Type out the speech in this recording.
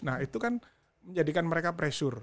nah itu kan menjadikan mereka pressure